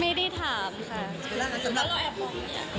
มีเฉิงมั้ยฮะว่าอยากได้อะไรแปปปีกก่อน